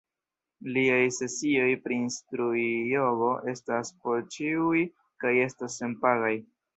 Liaj sesioj pri instrui jogo estas por ĉiuj kaj estas senpagaj.